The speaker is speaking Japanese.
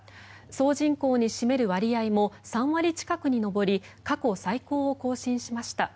総人口に占める割合も３割近くに上り過去最高を更新しました。